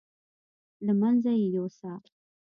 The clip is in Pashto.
له منځه یې یوسه.